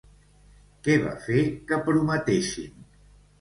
Què va fer que prometessin?